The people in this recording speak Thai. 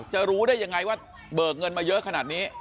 จะรู้ได้ยังไงว่าเบิกเงินมาเยอะขนาดนี้